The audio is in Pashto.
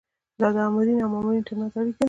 دا د آمرینو او مامورینو ترمنځ اړیکه ده.